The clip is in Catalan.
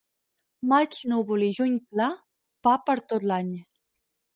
Maig núvol i juny clar, pa per tot l'any.